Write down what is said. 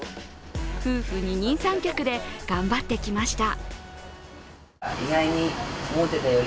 夫婦二人三脚で頑張ってきました。